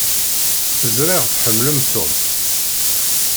Ẓriɣ tḥemmlem Tom.